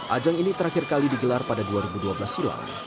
ajang ini terakhir kali digelar pada dua ribu dua belas silam